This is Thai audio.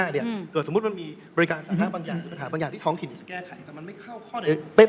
เดี๋ยวสมมติมีบริการสาธารณะบางอย่างที่ท้องถิดอยู่จะแก้ไถ